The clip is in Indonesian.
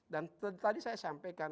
dan tadi saya sampaikan